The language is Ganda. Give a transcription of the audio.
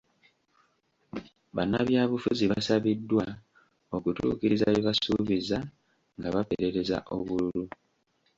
Bannabyabufuzi basabiddwa okutuukiriza bye baasuubiza nga baperereza obululu